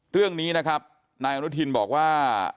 เรื่องนี้นะครับนายอนุทินบอกว่า